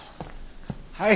はい。